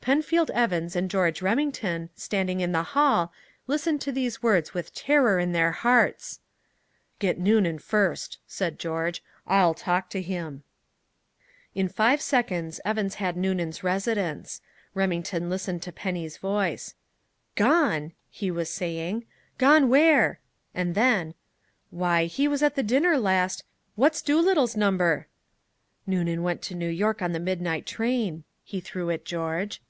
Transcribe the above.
Penfield Evans and George Remington, standing in the hall, listened to these words with terror in their hearts. "Get Noonan first," said George. "I'll talk to him." In five seconds Evans had Noonan's residence. Remington listened to Penny's voice. "Gone," he was saying. "Gone where?" And then: "Why, he was at the dinner last What's Doolittle's number?" ("Noonan went to New York on the midnight train," he threw at George.)